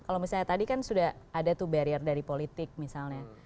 kalau misalnya tadi kan sudah ada tuh barrier dari politik misalnya